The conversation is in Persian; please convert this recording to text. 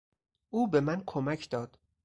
او به من کمک داد.